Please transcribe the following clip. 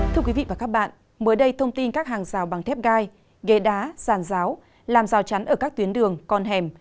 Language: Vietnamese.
thưa quý vị và các bạn mới đây thông tin các hàng rào bằng thép gai ghề đá sàn ráo làm rào chắn ở các tuyến đường con hẻm